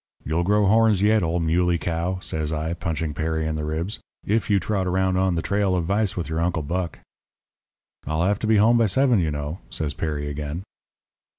You'll grow horns yet, old muley cow,' says I, punching Perry in the ribs, 'if you trot around on the trail of vice with your Uncle Buck.' "'I'll have to be home by seven, you know,' says Perry again.